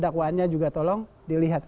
kauannya juga tolong dilihat